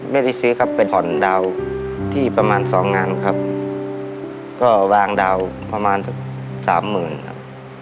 ไม่ได้ซื้อครับไปผ่อนดาวที่ประมาณสองงานครับก็วางดาวประมาณสักสามหมื่นครับ